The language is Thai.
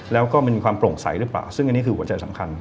แล้วก็มีความโปร่งใสหรือเปล่าซึ่งอันนี้คือหัวใจสำคัญ